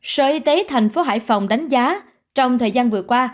sở y tế thành phố hải phòng đánh giá trong thời gian vừa qua